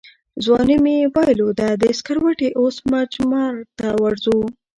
ځواني مې بایلوده سکروټې اوس مجمرته ورځو